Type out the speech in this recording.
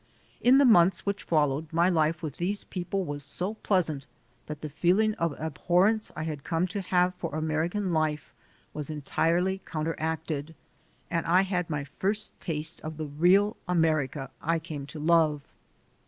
In the months which fol lowed, my life with these people was so pleasant that the feeling of abhorrence I had come to have for American life was entirely counteracted, and I had THE FIRST GLIMPSES OF AMERICA 143 my first taste of the real America I came to love.